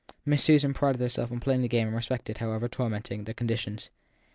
Miss Susan prided herself on having played the game and respected, however tormenting, the conditions.